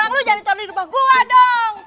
orang lu jangan taruh di rumah gua dong